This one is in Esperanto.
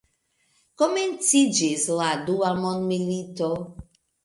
Komenciĝis la dua mondmilito.